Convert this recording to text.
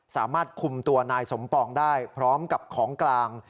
สามารถคุมตัวนายสมปองได้พร้อมกับของกลาง